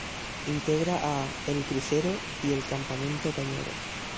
Integra a: El crucero, y El campamento cañero.